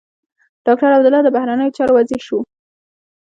ډاکټر عبدالله د بهرنيو چارو وزیر شو.